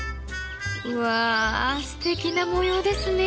わあすてきな模様ですね。